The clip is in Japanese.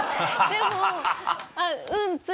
でも。